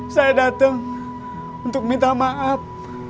saya datang untuk minta maaf